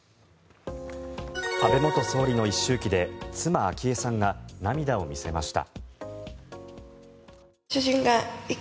安倍元総理の一周忌で妻・昭恵さんが涙を見せました。